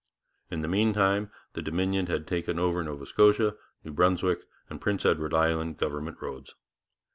In the meantime the Dominion had taken over the Nova Scotia, New Brunswick, and Prince Edward Island government roads.